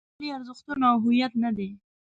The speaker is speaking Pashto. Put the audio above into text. هغه ملي ارزښتونه او هویت نه دی.